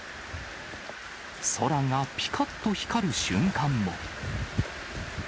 空がぴかっと光る瞬間も。